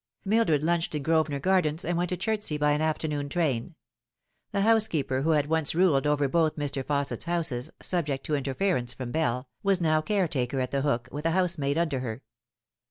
Mildred lunched in Grosvenor Gardens, and went to Chertsey by an afternoon train. The housekeeper who had once ruled over both Mr. Fausset's houses, subject to interference from Bell, was now caretaker at The Hook, with a housemaid under her.